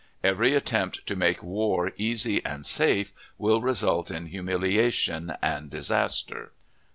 Every attempt to make war easy and safe will result in humiliation and disaster.